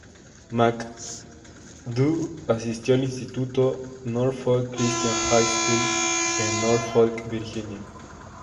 McAdoo asistió al instituto "Norfolk Christian High School" en Norfolk, Virginia.